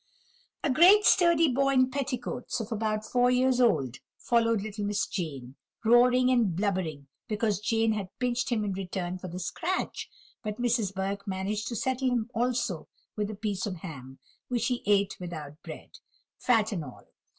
A great sturdy boy in petticoats, of about four years old, followed little Miss Jane, roaring and blubbering because Jane had pinched him in return for the scratch; but Mrs. Burke managed to settle him also with a piece of ham, which he ate without bread fat and all.